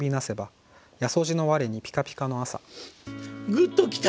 グッときた！